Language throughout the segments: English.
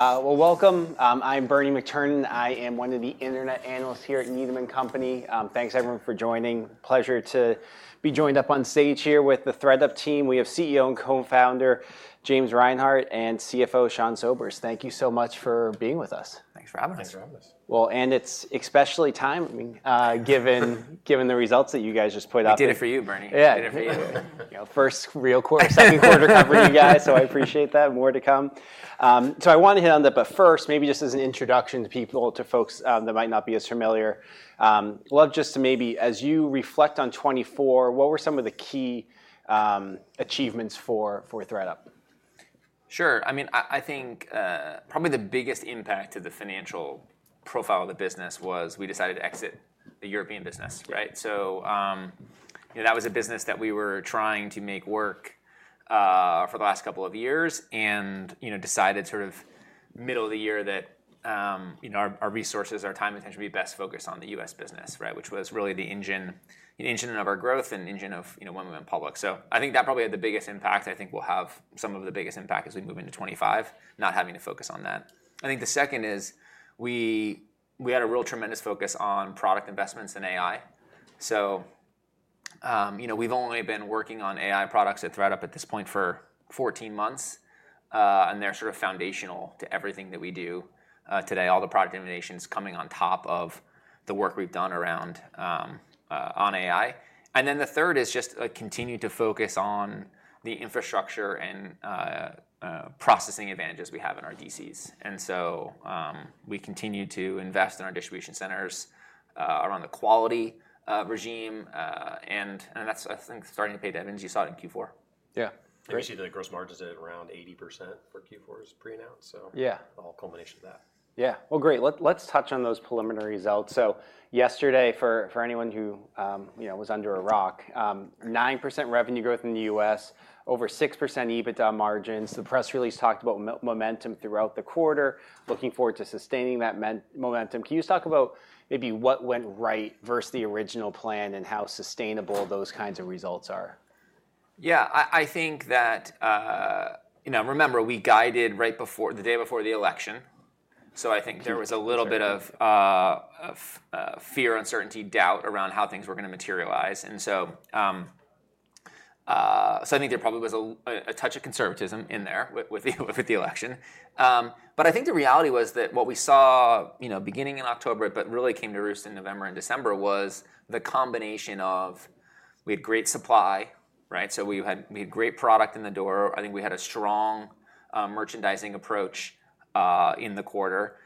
Well, welcome. I'm Bernie McTernan. I am one of the internet analysts here at Needham & Company. Thanks, everyone, for joining. Pleasure to be joined up on stage here with the ThredUp team. We have CEO and co-founder James Reinhart and CFO Sean Sobers. Thank you so much for being with us. Thanks for having us. Thanks for having us. Well, and it's especially time, I mean, given the results that you guys just put out there. We did it for you, Bernie. Yeah. We did it for you. First real quarter, second quarter covering you guys, so I appreciate that. More to come. So I want to hit on that, but first, maybe just as an introduction to people, to folks that might not be as familiar, I'd love just to maybe, as you reflect on 2024, what were some of the key achievements for ThredUp? Sure. I mean, I think probably the biggest impact to the financial profile of the business was we decided to exit the European business, right? So that was a business that we were trying to make work for the last couple of years and decided sort of middle of the year that our resources, our time and attention would be best focused on the US business, which was really the engine of our growth and engine of when we went public. So I think that probably had the biggest impact. I think we'll have some of the biggest impact as we move into 2025, not having to focus on that. I think the second is we had a real tremendous focus on product investments in AI. So we've only been working on AI products at ThredUp at this point for 14 months, and they're sort of foundational to everything that we do today. All the product innovation is coming on top of the work we've done around AI. And then the third is just continue to focus on the infrastructure and processing advantages we have in our DCs. And so we continue to invest in our distribution centers around the quality regime, and that's, I think, starting to pay dividends, as you saw it in Q4. Yeah. Appreciate that gross margin is at around 80% for Q4 as pre-announced, so all culmination of that. Yeah. Great. Let's touch on those preliminaries out. Yesterday, for anyone who was under a rock, 9% revenue growth in the U.S., over 6% EBITDA margins. The press release talked about momentum throughout the quarter, looking forward to sustaining that momentum. Can you just talk about maybe what went right versus the original plan and how sustainable those kinds of results are? Yeah. I think that, remember, we guided right before the day before the election, so I think there was a little bit of fear, uncertainty, doubt around how things were going to materialize. And so I think there probably was a touch of conservatism in there with the election. But I think the reality was that what we saw beginning in October, but really came to roost in November and December, was the combination of we had great supply, so we had great product in the door. I think we had a strong merchandising approach in the quarter.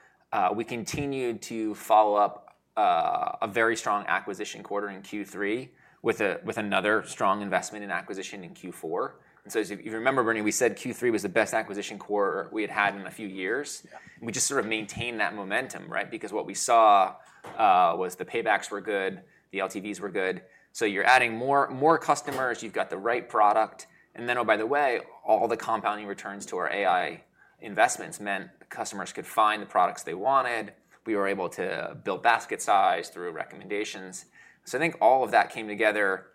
We continued to follow up a very strong acquisition quarter in Q3 with another strong investment in acquisition in Q4. And so if you remember, Bernie, we said Q3 was the best acquisition quarter we had had in a few years. We just sort of maintained that momentum because what we saw was the paybacks were good, the LTVs were good. So you're adding more customers, you've got the right product. And then, oh, by the way, all the compounding returns to our AI investments meant customers could find the products they wanted. We were able to build basket size through recommendations. So I think all of that came together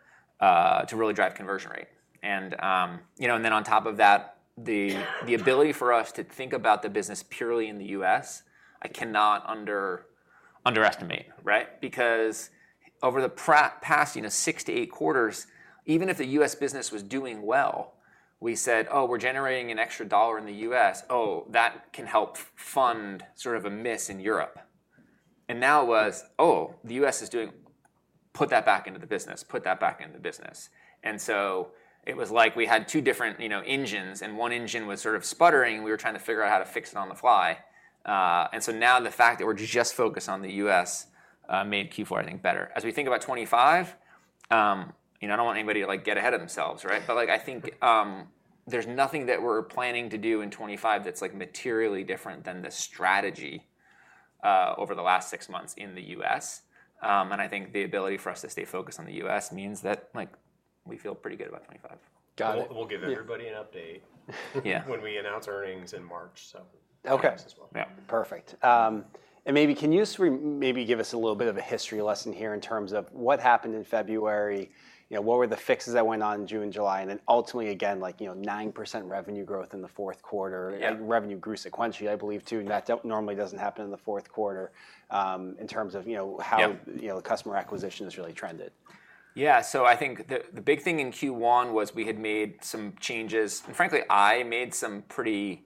to really drive conversion rate. And then on top of that, the ability for us to think about the business purely in the U.S., I cannot underestimate, because over the past six-to-eight quarters, even if the U.S. business was doing well, we said, oh, we're generating an extra dollar in the U.S. Oh, that can help fund sort of a miss in Europe. Now it was, oh, the U.S. is doing, put that back into the business, put that back into the business. And so it was like we had two different engines, and one engine was sort of sputtering, and we were trying to figure out how to fix it on the fly. And so now the fact that we're just focused on the U.S. made Q4, I think, better. As we think about 2025, I don't want anybody to get ahead of themselves, but I think there's nothing that we're planning to do in 2025 that's materially different than the strategy over the last six months in the U.S. And I think the ability for us to stay focused on the U.S. means that we feel pretty good about 2025. Got it. We'll give everybody an update when we announce earnings in March, so that helps as well. Perfect. And maybe can you maybe give us a little bit of a history lesson here in terms of what happened in February? What were the fixes that went on in June and July? And then ultimately, again, 9% revenue growth in the fourth quarter. Revenue grew sequentially, I believe, too. That normally doesn't happen in the fourth quarter in terms of how customer acquisition has really trended. Yeah. So I think the big thing in Q1 was we had made some changes. And frankly, I made some pretty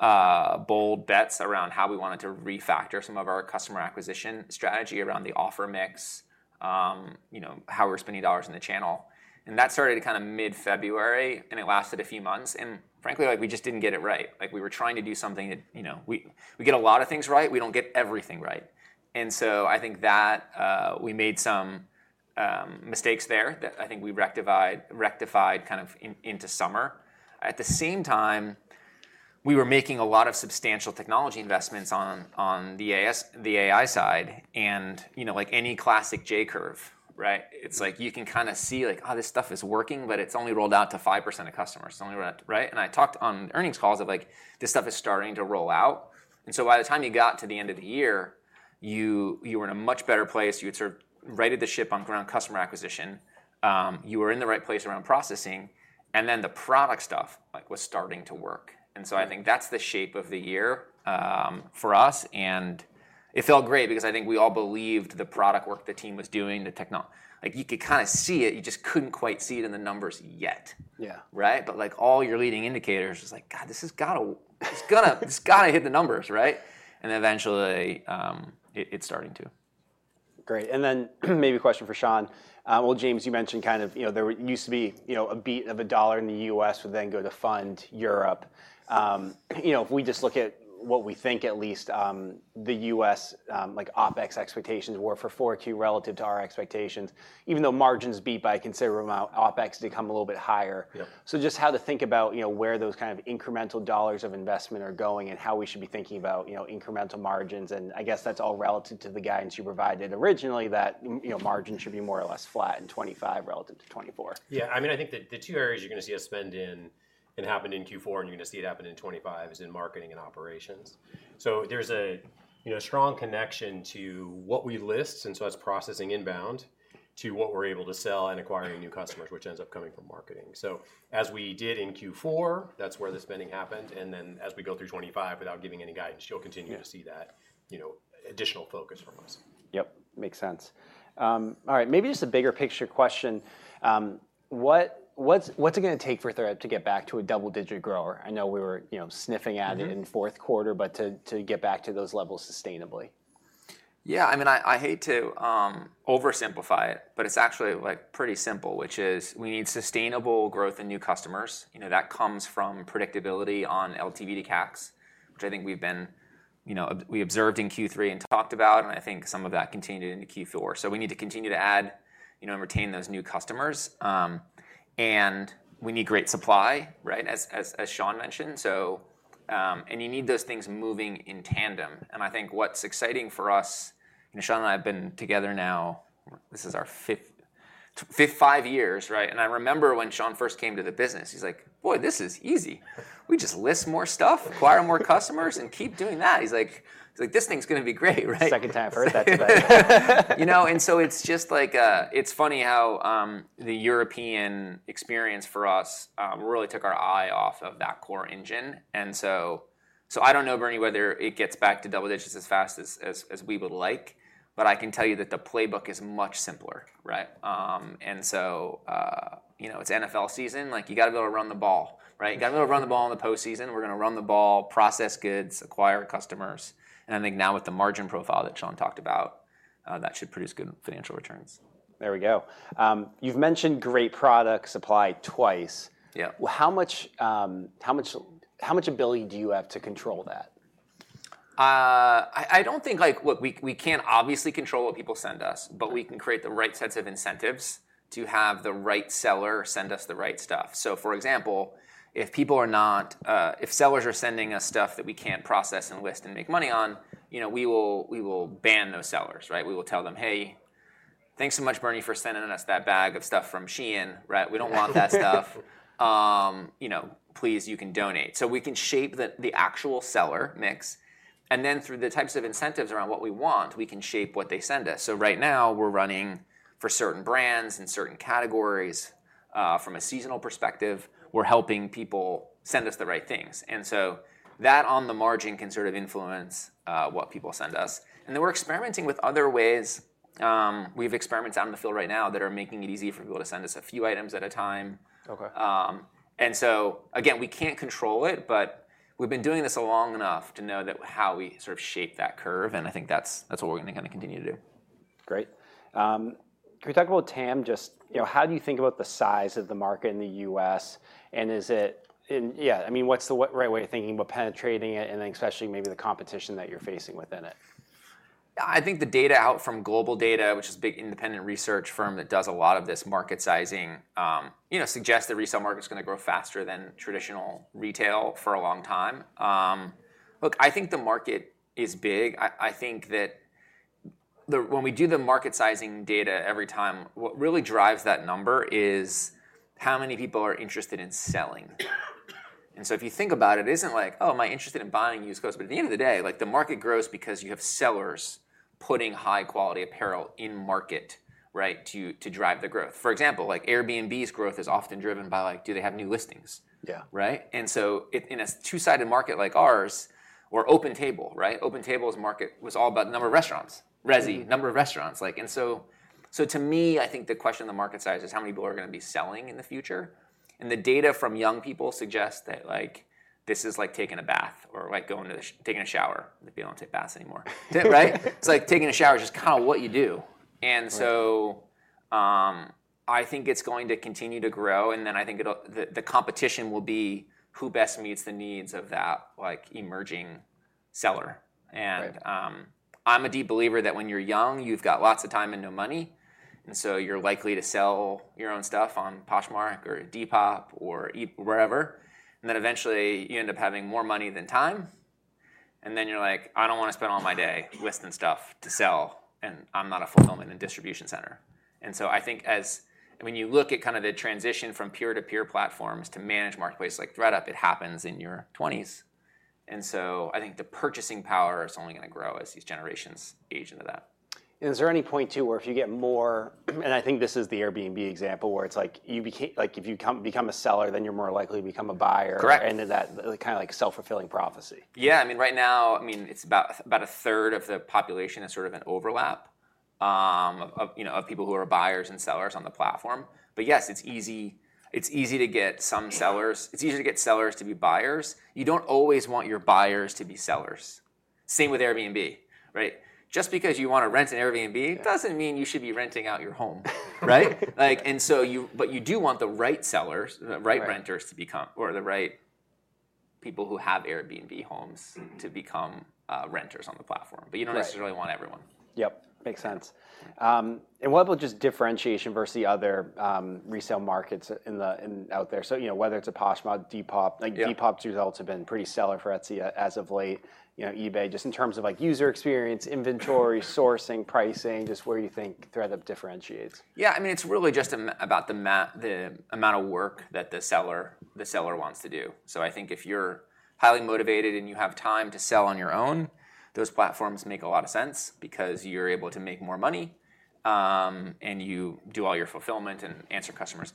bold bets around how we wanted to refactor some of our customer acquisition strategy around the offer mix, how we're spending dollars in the channel. And that started kind of mid-February, and it lasted a few months. And frankly, we just didn't get it right. We were trying to do something that we get a lot of things right, we don't get everything right. And so I think that we made some mistakes there that I think we rectified kind of into summer. At the same time, we were making a lot of substantial technology investments on the AI side. And like any classic J curve, it's like you can kind of see like, oh, this stuff is working, but it's only rolled out to 5% of customers. I talked on earnings calls of like, this stuff is starting to roll out. By the time you got to the end of the year, you were in a much better place. You had sort of readied the ship on customer acquisition. You were in the right place around processing. The product stuff was starting to work. I think that's the shape of the year for us. It felt great because I think we all believed the product work the team was doing, the technology. You could kind of see it. You just couldn't quite see it in the numbers yet. All your leading indicators was like, God, this has got to hit the numbers. Eventually, it's starting to. Great. Then maybe a question for Sean. Well, James, you mentioned kind of there used to be a beat of a dollar in the U.S. would then go to fund Europe. If we just look at what we think, at least, the U.S. OpEx expectations were for 2024 relative to our expectations, even though margins beat by a considerable amount, OpEx did come a little bit higher. So just how to think about where those kind of incremental dollars of investment are going and how we should be thinking about incremental margins. I guess that's all relative to the guidance you provided originally that margin should be more or less flat in 2025 relative to 2024. Yeah. I mean, I think the two areas you're going to see us spend in and happen in Q4, and you're going to see it happen in 2025, is in marketing and operations. There's a strong connection to what we list, and so that's processing inbound, to what we're able to sell and acquiring new customers, which ends up coming from marketing. As we did in Q4, that's where the spending happened. Then as we go through 2025, without giving any guidance, you'll continue to see that additional focus from us. Yep. Makes sense. All right. Maybe just a bigger picture question. What's it going to take for ThredUp to get back to a double-digit grower? I know we were sniffing at it in fourth quarter, but to get back to those levels sustainably. Yeah. I mean, I hate to oversimplify it, but it's actually pretty simple, which is we need sustainable growth in new customers. That comes from predictability on LTV to CACs, which I think we observed in Q3 and talked about. And I think some of that continued into Q4. So we need to continue to add and retain those new customers. And we need great supply, as Sean mentioned. And you need those things moving in tandem. And I think what's exciting for us, Sean and I have been together now, this is our fifth five years. And I remember when Sean first came to the business, he's like, boy, this is easy. We just list more stuff, acquire more customers, and keep doing that. He's like, this thing's going to be great. Second time I've heard that today. And so it's just like funny how the European experience for us really took our eye off of that core engine. And so I don't know, Bernie, whether it gets back to double digits as fast as we would like, but I can tell you that the playbook is much simpler. And so it's NFL season. You got to be able to run the ball. You got to be able to run the ball in the postseason. We're going to run the ball, process goods, acquire customers. And I think now with the margin profile that Sean talked about, that should produce good financial returns. There we go. You've mentioned great product supply twice. How much ability do you have to control that? I don't think we can't obviously control what people send us, but we can create the right sets of incentives to have the right seller send us the right stuff. So for example, if people are not, if sellers are sending us stuff that we can't process and list and make money on, we will ban those sellers. We will tell them, hey, thanks so much, Bernie, for sending us that bag of stuff from Shein. We don't want that stuff. Please, you can donate. So we can shape the actual seller mix. And then through the types of incentives around what we want, we can shape what they send us. So right now, we're running for certain brands and certain categories. From a seasonal perspective, we're helping people send us the right things. And so that on the margin can sort of influence what people send us. And then we're experimenting with other ways. We have experiments out in the field right now that are making it easier for people to send us a few items at a time. And so again, we can't control it, but we've been doing this long enough to know how we sort of shape that curve. And I think that's what we're going to kind of continue to do. Great. Can we talk about TAM? Just how do you think about the size of the market in the U.S.? And yeah, I mean, what's the right way of thinking about penetrating it, and then especially maybe the competition that you're facing within it? I think the data out from GlobalData, which is a big independent research firm that does a lot of this market sizing, suggests that resale market is going to grow faster than traditional retail for a long time. Look, I think the market is big. I think that when we do the market sizing data every time, what really drives that number is how many people are interested in selling. And so if you think about it, it isn't like, oh, am I interested in buying used clothes? But at the end of the day, the market grows because you have sellers putting high-quality apparel in market to drive the growth. For example, Airbnb's growth is often driven by, do they have new listings? And so in a two-sided market like ours, we're OpenTable. OpenTable's market was all about the number of restaurants, Resy number of restaurants. And so to me, I think the question of the market size is how many people are going to be selling in the future. And the data from young people suggest that this is like taking a bath or taking a shower. They don't take baths anymore. It's like taking a shower is just kind of what you do. And so I think it's going to continue to grow. And then I think the competition will be who best meets the needs of that emerging seller. And I'm a deep believer that when you're young, you've got lots of time and no money. And so you're likely to sell your own stuff on Poshmark or Depop or wherever. And then eventually, you end up having more money than time. And then you're like, I don't want to spend all my day listing stuff to sell, and I'm not a fulfillment and distribution center. And so I think when you look at kind of the transition from peer-to-peer platforms to managed marketplace like ThredUp, it happens in your 20s. And so I think the purchasing power is only going to grow as these generations age into that. Is there any point too where if you get more, and I think this is the Airbnb example where it's like if you become a seller, then you're more likely to become a buyer and that kind of like self-fulfilling prophecy? Yeah. I mean, right now, I mean, it's about a third of the population is sort of an overlap of people who are buyers and sellers on the platform. But yes, it's easy to get some sellers. It's easy to get sellers to be buyers. You don't always want your buyers to be sellers. Same with Airbnb. Just because you want to rent an Airbnb doesn't mean you should be renting out your home. And so you do want the right sellers, the right renters to become, or the right people who have Airbnb homes to become renters on the platform. But you don't necessarily want everyone. Yep. Makes sense. And what about just differentiation versus the other resale markets out there? So whether it's a Poshmark, Depop, Depop's results have been pretty stellar for Etsy as of late. eBay, just in terms of user experience, inventory, sourcing, pricing, just where you think ThredUp differentiates? Yeah. I mean, it's really just about the amount of work that the seller wants to do. So I think if you're highly motivated and you have time to sell on your own, those platforms make a lot of sense because you're able to make more money, and you do all your fulfillment and answer customers.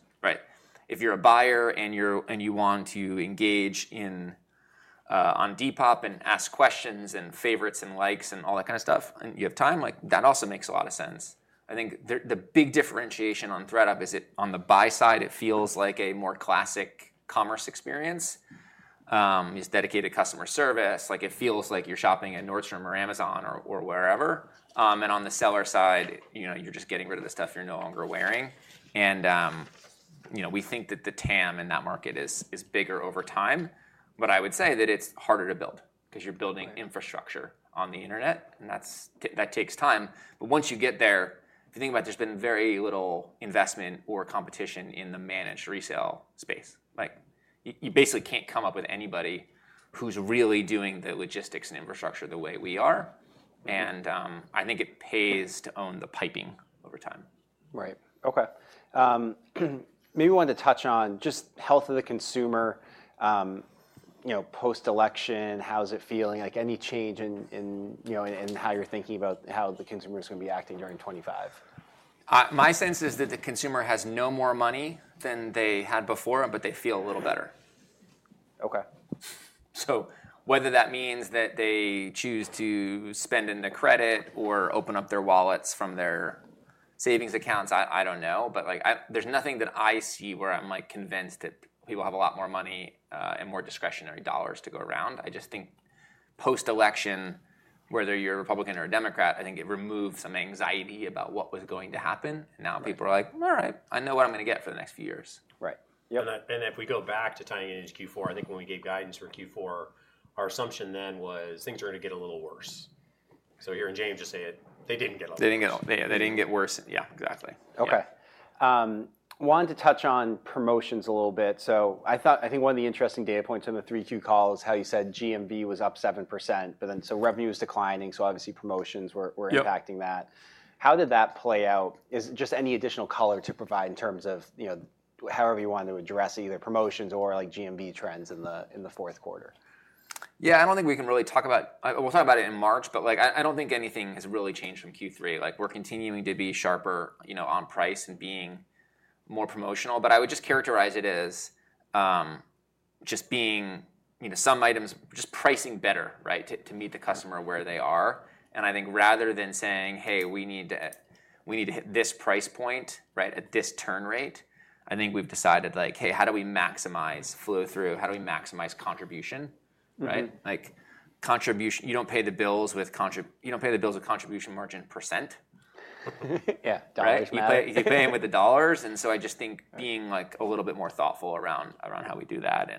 If you're a buyer and you want to engage on Depop and ask questions and favorites and likes and all that kind of stuff, and you have time, that also makes a lot of sense. I think the big differentiation on ThredUp is that on the buy side, it feels like a more classic commerce experience. It's dedicated customer service. It feels like you're shopping at Nordstrom or Amazon or wherever, and on the seller side, you're just getting rid of the stuff you're no longer wearing. We think that the TAM in that market is bigger over time. I would say that it's harder to build because you're building infrastructure on the internet. That takes time. Once you get there, if you think about it, there's been very little investment or competition in the managed resale space. You basically can't come up with anybody who's really doing the logistics and infrastructure the way we are. I think it pays to own the piping over time. Right. Okay. Maybe we wanted to touch on just health of the consumer post-election. How's it feeling? Any change in how you're thinking about how the consumer is going to be acting during 2025? My sense is that the consumer has no more money than they had before, but they feel a little better. Okay. So whether that means that they choose to spend into credit or open up their wallets from their savings accounts, I don't know, but there's nothing that I see where I'm convinced that people have a lot more money and more discretionary dollars to go around. I just think post-election, whether you're a Republican or a Democrat, I think it removed some anxiety about what was going to happen, and now people are like, all right, I know what I'm going to get for the next few years. Right. If we go back to tightening in Q4, I think when we gave guidance for Q4, our assumption then was things are going to get a little worse. Hearing James just say it, they didn't get a little worse. They didn't get worse. Yeah, exactly. Okay. Wanted to touch on promotions a little bit. So I think one of the interesting data points in the 3Q call is how you said GMV was up 7%. So revenue is declining. So obviously, promotions were impacting that. How did that play out? Just any additional color to provide in terms of however you want to address either promotions or GMV trends in the fourth quarter? Yeah. I don't think we can really talk about it. We'll talk about it in March. But I don't think anything has really changed from Q3. We're continuing to be sharper on price and being more promotional. But I would just characterize it as just being some items just pricing better to meet the customer where they are. And I think rather than saying, hey, we need to hit this price point at this turn rate, I think we've decided, hey, how do we maximize flow through? How do we maximize contribution? You don't pay the bills with contribution margin percent. Yeah. You pay them with the dollars, and so I just think being a little bit more thoughtful around how we do that.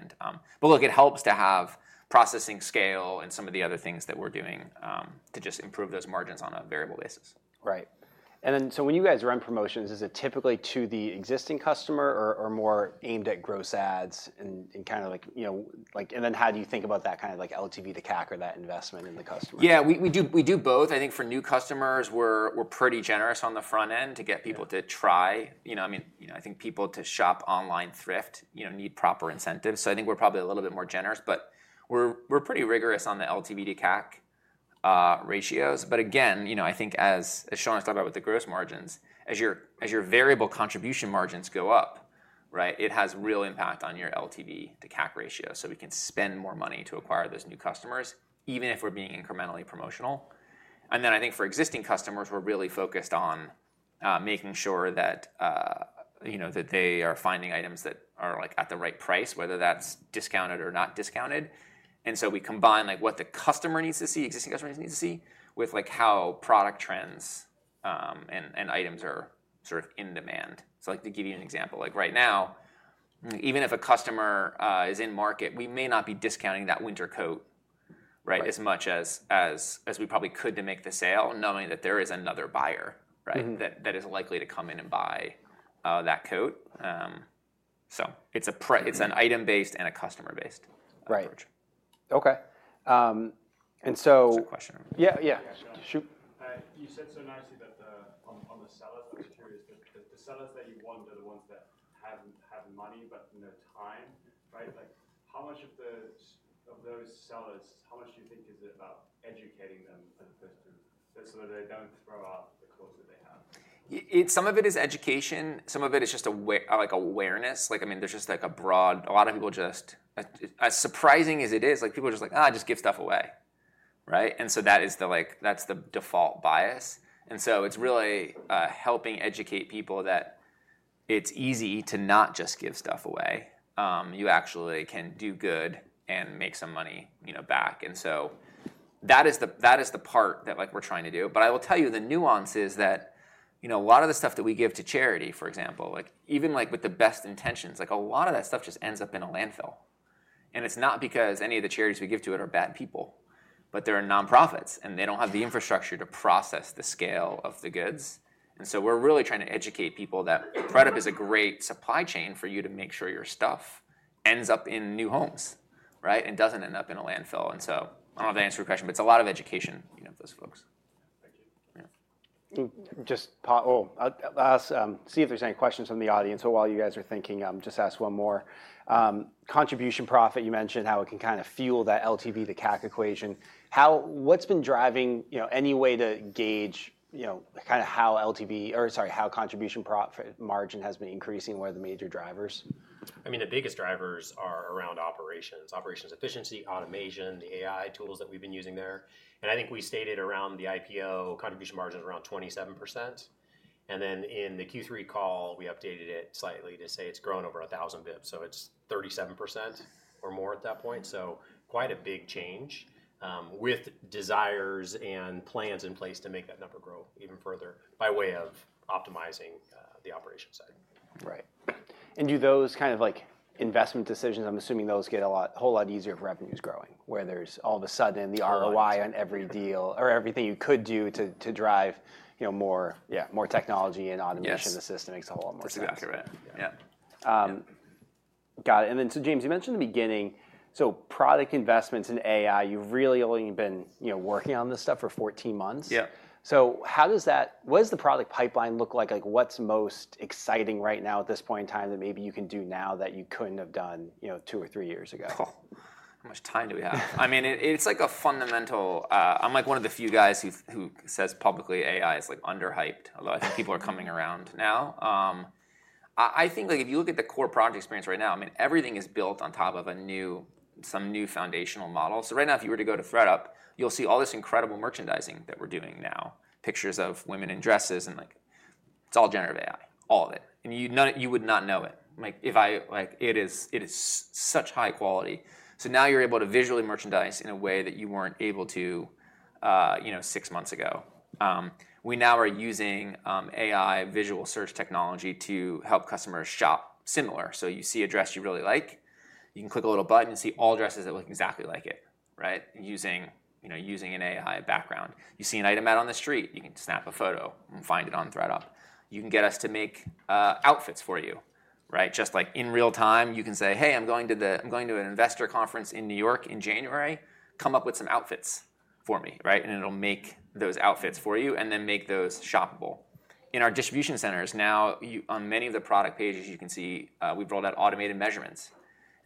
But look, it helps to have processing scale and some of the other things that we're doing to just improve those margins on a variable basis. Right. And then, so when you guys run promotions, is it typically to the existing customer or more aimed at gross adds and kind of like? And then, how do you think about that kind of LTV to CAC or that investment in the customer? Yeah. We do both. I think for new customers, we're pretty generous on the front end to get people to try. I mean, I think people to shop online thrift, you know, need proper incentives. So I think we're probably a little bit more generous. But we're pretty rigorous on the LTV to CAC ratios. But again, I think as Sean was talking about with the gross margins, as your variable contribution margins go up, it has real impact on your LTV to CAC ratio. So we can spend more money to acquire those new customers, even if we're being incrementally promotional. And then I think for existing customers, we're really focused on making sure that they are finding items that are at the right price, whether that's discounted or not discounted. And so we combine what the customer needs to see, existing customers need to see, with how product trends and items are sort of in demand. So to give you an example, right now, even if a customer is in market, we may not be discounting that winter coat as much as we probably could to make the sale, knowing that there is another buyer that is likely to come in and buy that coat. So it's an item-based and a customer-based approach. Right. Okay. And so. Question? Yeah. Yeah. Shoot. You said so nicely that on the sellers, I was curious. The sellers that you want are the ones that have money but no time. How much of those sellers, how much do you think is about educating them so that they don't throw out the clothes that they have? Some of it is education. Some of it is just awareness. I mean, there's just a broad, a lot of people just, as surprising as it is, people are just like, just give stuff away. And so that's the default bias. And so it's really helping educate people that it's easy to not just give stuff away. You actually can do good and make some money back. And so that is the part that we're trying to do. But I will tell you the nuance is that a lot of the stuff that we give to charity, for example, even with the best intentions, a lot of that stuff just ends up in a landfill. And it's not because any of the charities we give to are bad people, but they're nonprofits, and they don't have the infrastructure to process the scale of the goods. And so we're really trying to educate people that ThredUp is a great supply chain for you to make sure your stuff ends up in new homes and doesn't end up in a landfill. And so I don't know if that answers your question, but it's a lot of education for those folks. Just see if there's any questions from the audience. Or while you guys are thinking, just ask one more. Contribution margin, you mentioned how it can kind of fuel that LTV to CAC equation. What's been driving any way to gauge kind of how LTV, or sorry, how contribution margin has been increasing? What are the major drivers? I mean, the biggest drivers are around operations, operations efficiency, automation, the AI tools that we've been using there. And I think we stated around the IPO, contribution margin is around 27%. And then in the Q3 call, we updated it slightly to say it's grown over 1,000 basis points. So it's 37% or more at that point. So quite a big change with desires and plans in place to make that number grow even further by way of optimizing the operation side. Right, and do those kind of investment decisions, I'm assuming those get a whole lot easier if revenue is growing, where there's all of a sudden the ROI on every deal or everything you could do to drive more technology and automation in the system makes a whole lot more sense. That's exactly right. Yeah. Got it. And then so James, you mentioned in the beginning, so product investments in AI, you've really only been working on this stuff for 14 months. So how does that? What does the product pipeline look like? What's most exciting right now at this point in time that maybe you can do now that you couldn't have done two or three years ago? How much time do we have? I mean, it's like a fundamental. I'm like one of the few guys who says publicly AI is underhyped, although I think people are coming around now. I think if you look at the core product experience right now, I mean, everything is built on top of some new foundational model. So right now, if you were to go to ThredUp, you'll see all this incredible merchandising that we're doing now, pictures of women in dresses, and it's all generative AI, all of it, and you would not know it. It is such high quality, so now you're able to visually merchandise in a way that you weren't able to six months ago. We now are using AI visual search technology to help customers shop similar. So you see a dress you really like, you can click a little button and see all dresses that look exactly like it using an AI background. You see an item out on the street, you can snap a photo and find it on ThredUp. You can get us to make outfits for you. Just like in real time, you can say, hey, I'm going to an investor conference in New York in January. Come up with some outfits for me. And it'll make those outfits for you and then make those shoppable. In our distribution centers now, on many of the product pages, you can see we've rolled out automated measurements.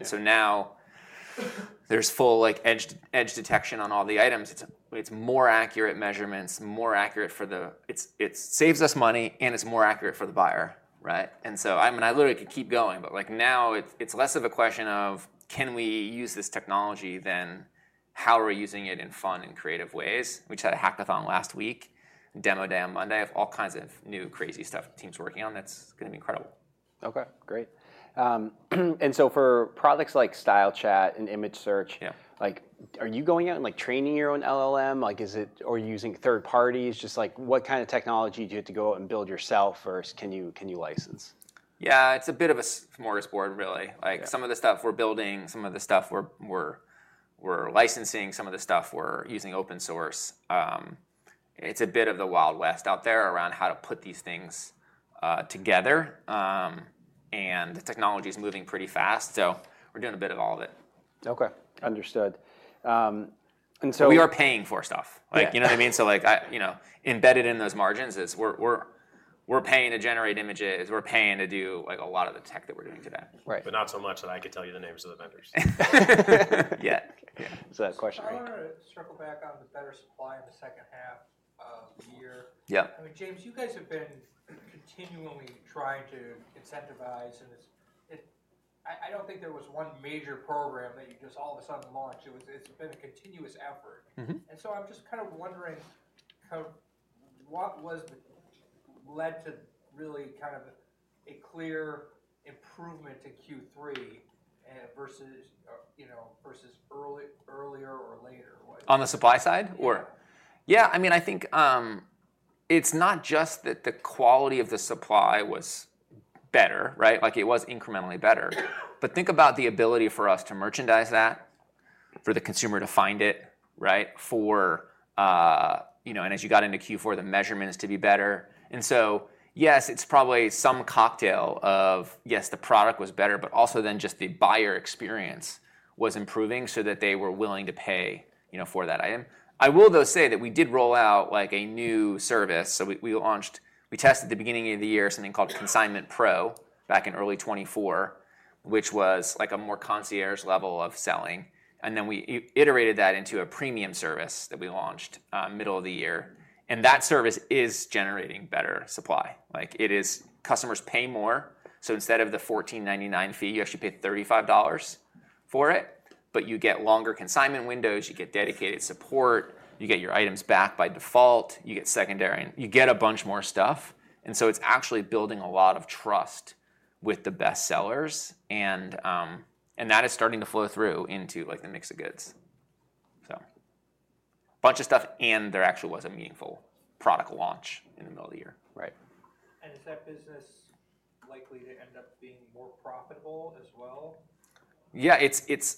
And so now there's full edge detection on all the items. It's more accurate measurements, more accurate for the, it saves us money, and it's more accurate for the buyer. And so I mean, I literally could keep going. But now it's less of a question of can we use this technology than how are we using it in fun and creative ways? We just had a hackathon last week, Demo Day on Monday, of all kinds of new crazy stuff teams are working on that's going to be incredible. Okay. Great. And so for products like Style Chat and image search, are you going out and training your own LLM? Or are you using third parties? Just what kind of technology do you have to go out and build yourself, or can you license? Yeah. It's a bit of a smorgasbord, really. Some of the stuff we're building, some of the stuff we're licensing, some of the stuff we're using open source. It's a bit of the Wild West out there around how to put these things together, and the technology is moving pretty fast, so we're doing a bit of all of it. Okay. Understood, and so. We are paying for stuff. You know what I mean? So embedded in those margins, we're paying to generate images. We're paying to do a lot of the tech that we're doing today. Right. But not so much that I could tell you the names of the vendors. Yeah. So that question. I want to circle back on the better supply in the second half of the year. I mean, James, you guys have been continually trying to incentivize. And I don't think there was one major program that you just all of a sudden launched. It's been a continuous effort. And so I'm just kind of wondering what led to really kind of a clear improvement to Q3 versus earlier or later? On the supply side? Yeah. Yeah. I mean, I think it's not just that the quality of the supply was better. It was incrementally better, but think about the ability for us to merchandise that, for the consumer to find it, and as you got into Q4, the measurements to be better, and so yes, it's probably some cocktail of, yes, the product was better, but also then just the buyer experience was improving so that they were willing to pay for that item. I will, though, say that we did roll out a new service, so we tested at the beginning of the year something called Consignment Pro back in early 2024, which was a more concierge level of selling, and then we iterated that into a premium service that we launched middle of the year, and that service is generating better supply. Customers pay more. So instead of the $14.99 fee, you actually pay $35 for it. But you get longer consignment windows. You get dedicated support. You get your items back by default. You get secondary. You get a bunch more stuff. And so it's actually building a lot of trust with the best sellers. And that is starting to flow through into the mix of goods. So a bunch of stuff, and there actually was a meaningful product launch in the middle of the year. Is that business likely to end up being more profitable as well? Yeah.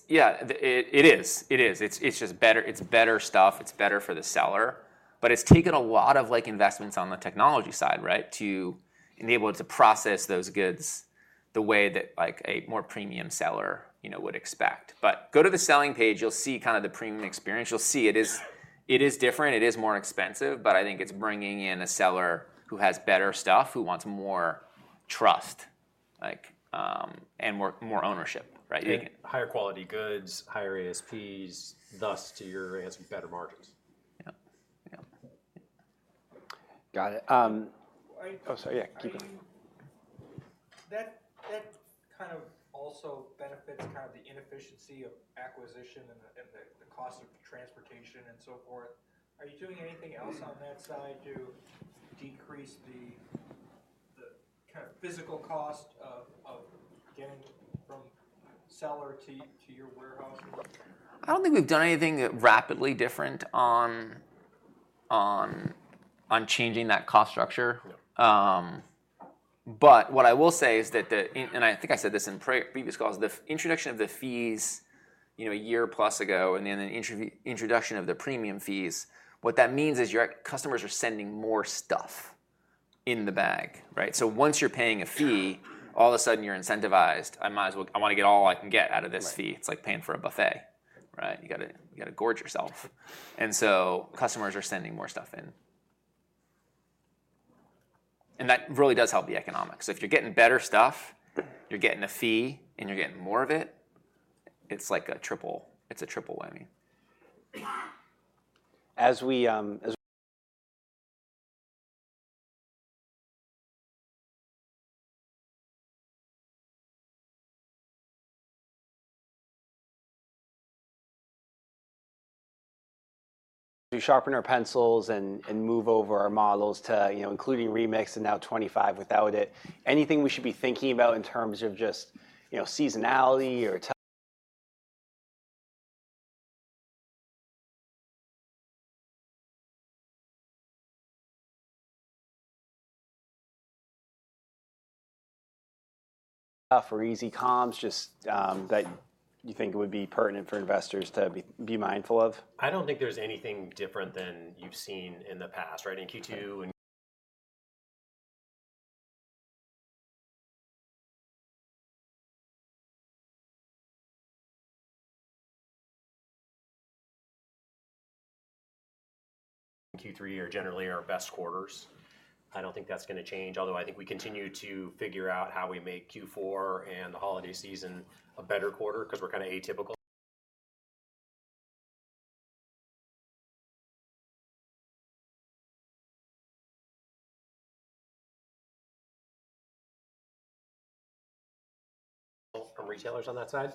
Yeah, it is. It is. It's better stuff. It's better for the seller. But it's taken a lot of investments on the technology side to enable it to process those goods the way that a more premium seller would expect. But go to the selling page. You'll see kind of the premium experience. You'll see it is different. It is more expensive. But I think it's bringing in a seller who has better stuff, who wants more trust and more ownership. Higher quality goods, higher ASPs, thus to your advantage, better margins. Yeah. Yeah. Got it. Oh, sorry. Yeah. Keep going. That kind of also benefits kind of the inefficiency of acquisition and the cost of transportation and so forth. Are you doing anything else on that side to decrease the kind of physical cost of getting from seller to your warehouse? I don't think we've done anything rapidly different on changing that cost structure, but what I will say is that, and I think I said this in previous calls, the introduction of the fees a year plus ago and then the introduction of the premium fees, what that means is your customers are sending more stuff in the bag, so once you're paying a fee, all of a sudden you're incentivized. I want to get all I can get out of this fee. It's like paying for a buffet. You got to gorge yourself, and so customers are sending more stuff in, and that really does help the economics, so if you're getting better stuff, you're getting a fee, and you're getting more of it, it's a triple whammy. As we. Sharpen our pencils and move over our models to including Remix and now 25 without it. Anything we should be thinking about in terms of just seasonality or, for easy comms, just that you think would be pertinent for investors to be mindful of? I don't think there's anything different than you've seen in the past. In Q2 and. Q3 are generally our best quarters. I don't think that's going to change, although I think we continue to figure out how we make Q4 and the holiday season a better quarter because we're kind of atypical from retailers on that side.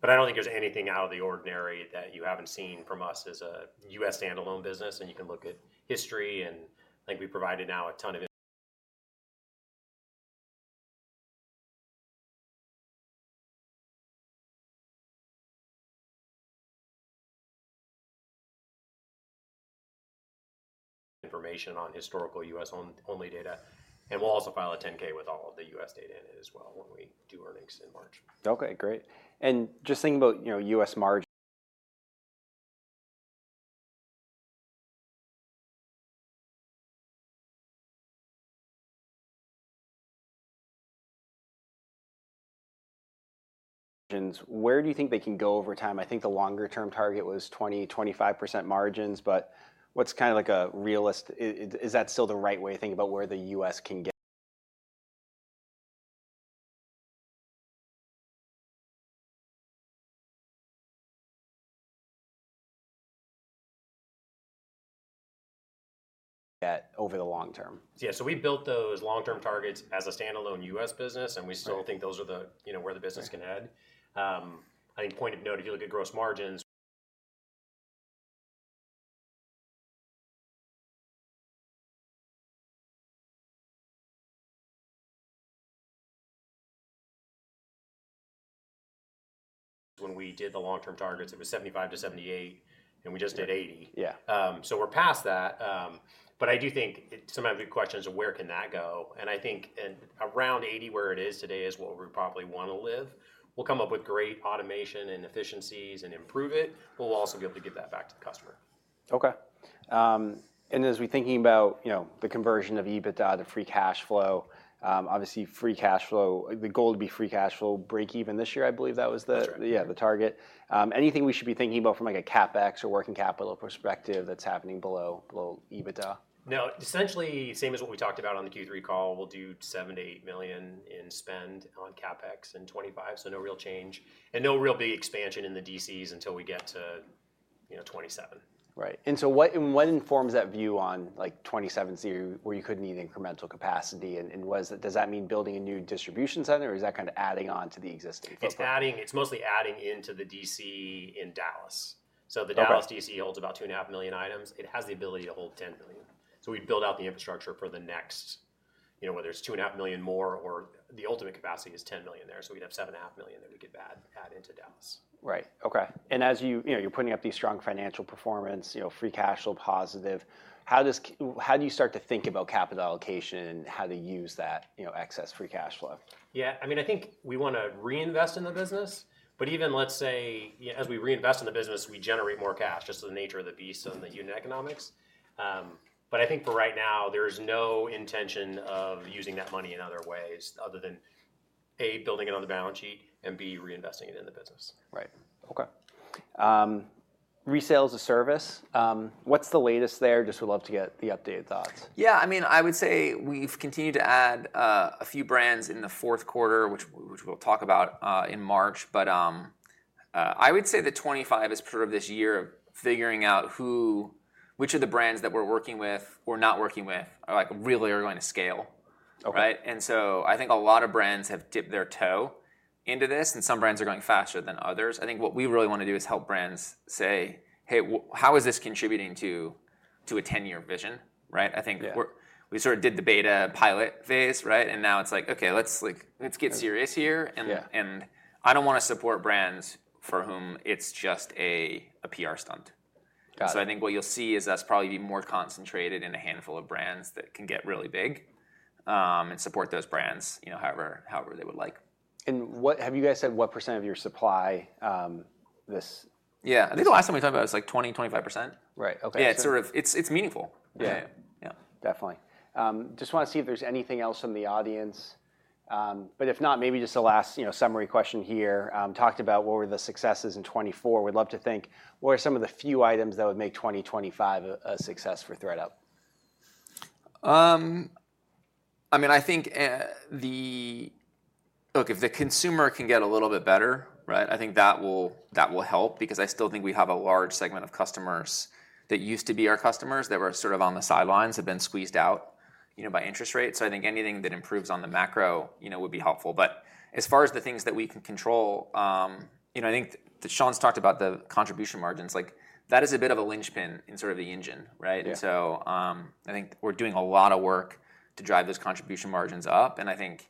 But I don't think there's anything out of the ordinary that you haven't seen from us as a U.S. standalone business. And you can look at history. And I think we provided now a ton of information on historical U.S.-only data. And we'll also file a 10-K with all of the U.S. data in it as well when we do earnings in March. Okay. Great. And just thinking about U.S. margin. Where do you think they can go over time? I think the longer-term target was 20%-25% margins. But what's kind of like a realistic, is that still the right way to think about where the U.S. can get. Over the long term? Yeah. So we built those long-term targets as a standalone U.S. business. And we still think those are where the business can head. I think point of note, if you look at gross margins. When we did the long-term targets, it was 75%-78%. And we just did 80%. So we're past that. But I do think some of the questions are where can that go? And I think around 80%, where it is today, is what we probably want to live. We'll come up with great automation and efficiencies and improve it. But we'll also be able to give that back to the customer. Okay, and as we're thinking about the conversion of EBITDA to free cash flow, obviously free cash flow, the goal would be free cash flow break-even this year. I believe that was the target. Anything we should be thinking about from a CapEx or working capital perspective that's happening below EBITDA? No. Essentially same as what we talked about on the Q3 call. We'll do $7 million-$8 million in spend on CapEx in 2025. So no real change and no real big expansion in the DCs until we get to 2027. Right. And so what informs that view on 2027, where you couldn't need incremental capacity? And does that mean building a new distribution center, or is that kind of adding on to the existing? It's mostly adding into the DC in Dallas. So the Dallas DC holds about 2.5 million items. It has the ability to hold 10 million. So we'd build out the infrastructure for the next, whether it's 2.5 million more or the ultimate capacity is 10 million there. So we'd have 7.5 million that we could add into Dallas. Right. Okay. And as you're putting up these strong financial performance, free cash flow positive, how do you start to think about capital allocation and how to use that excess free cash flow? Yeah. I mean, I think we want to reinvest in the business. But even let's say as we reinvest in the business, we generate more cash, just the nature of the beast and the unit economics. But I think for right now, there is no intention of using that money in other ways other than A, building another balance sheet, and B, reinvesting it in the business. Right. Okay. Resale-as-a-Service. What's the latest there? Just would love to get the updated thoughts. Yeah. I mean, I would say we've continued to add a few brands in the fourth quarter, which we'll talk about in March. But I would say that 2025 is sort of this year of figuring out which of the brands that we're working with, we're not working with, really are going to scale. And so I think a lot of brands have dipped their toe into this. And some brands are going faster than others. I think what we really want to do is help brands say, "Hey, how is this contributing to a 10-year vision?" I think we sort of did the beta pilot phase. And now it's like, "Okay. Let's get serious here." And I don't want to support brands for whom it's just a PR stunt. So, I think what you'll see is that'll probably be more concentrated in a handful of brands that can get really big and support those brands however they would like. Have you guys said what % of your supply this? Yeah. I think the last time we talked about it was like 20%-25%. Right. Okay. Yeah. It's meaningful. Yeah. Definitely. Just want to see if there's anything else from the audience. But if not, maybe just a last summary question here. Talked about what were the successes in 2024. We'd love to think what are some of the few items that would make 2025 a success for ThredUp? I mean, I think if the consumer can get a little bit better, I think that will help because I still think we have a large segment of customers that used to be our customers that were sort of on the sidelines have been squeezed out by interest rates. So I think anything that improves on the macro would be helpful. But as far as the things that we can control, I think Sean's talked about the contribution margins. That is a bit of a linchpin in sort of the engine. And so I think we're doing a lot of work to drive those contribution margins up. And I think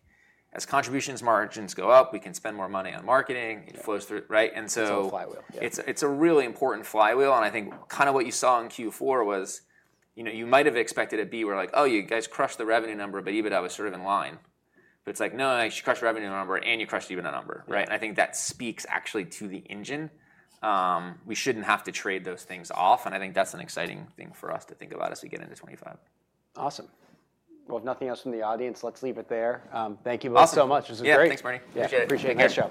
as contribution margins go up, we can spend more money on marketing. It flows through. It's a flywheel. It's a really important flywheel. And I think kind of what you saw in Q4 was you might have expected a beat where like, "Oh, you guys crushed the revenue number, but EBITDA was sort of in line." But it's like, "No. You crushed revenue number and you crushed EBITDA number." And I think that speaks actually to the engine. We shouldn't have to trade those things off. And I think that's an exciting thing for us to think about as we get into 2025. Awesome. Well, if nothing else from the audience, let's leave it there. Thank you both so much. This was great. Yeah. Thanks, Bernie. Appreciate it. Appreciate it. Nice show.